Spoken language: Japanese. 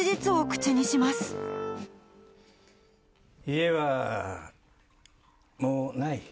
家はもうない。